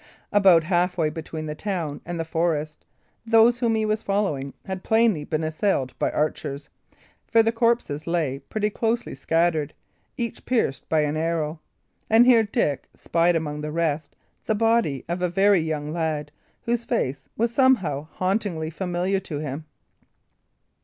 About half way between the town and the forest, those whom he was following had plainly been assailed by archers; for the corpses lay pretty closely scattered, each pierced by an arrow. And here Dick spied among the rest the body of a very young lad, whose face was somehow hauntingly familiar to him.